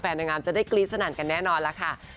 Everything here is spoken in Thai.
นางงามจะได้กรี๊ดสนั่นกันแน่นอนแล้วค่ะ